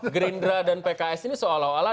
gerindra dan pks ini seolah olah